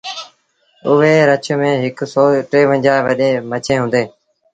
اُئي رڇ ميݩ هڪ سئو ٽيونجھآ وڏيݩٚ مڇيٚنٚ هُنٚدينٚ